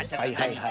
はい！